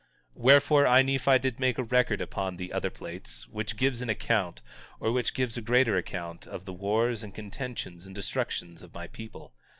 19:4 Wherefore, I, Nephi, did make a record upon the other plates, which gives an account, or which gives a greater account of the wars and contentions and destructions of my people.